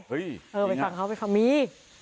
เฮ้ยเอาไปฟังเขามี